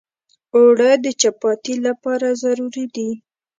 اوړه د چپاتي لپاره ضروري دي